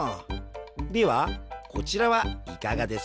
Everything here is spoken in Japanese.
ではこちらはいかがですか？